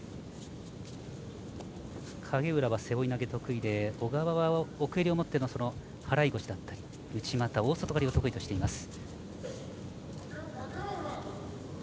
影浦は背負い投げ得意で小川は奥襟を持っての払い腰だったり内股大外刈りを得意としています。